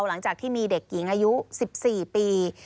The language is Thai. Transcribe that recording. หลังจากที่มีเด็กหญิงอายุ๑๔ปี